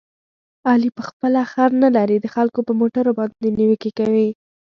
علي په خپله خر نه لري، د خلکو په موټرو باندې نیوکې کوي.